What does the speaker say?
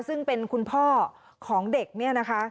ซึ่งเป็นคุณพ่อของเด็กเนี่ยนะคะ